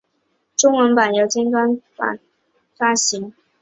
中文版由尖端出版发行。